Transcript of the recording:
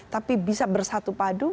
tapi bisa bersatu padu